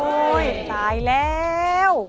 โอ้โฮตายแล้ว